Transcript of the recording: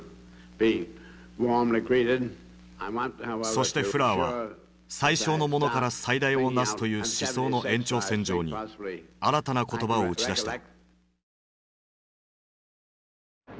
そしてフラーは最小のものから最大をなすという思想の延長線上に新たな言葉を打ち出した。